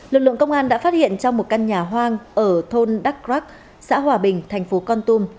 lực lượng công an đã phát hiện trong một căn nhà hoang ở thôn đắk rắc xã hòa bình thành phố con tum